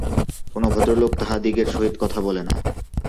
কোন ভদ্রলোক তাহাদিগের সহিত কথা বলে না।